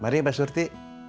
mari mbak surti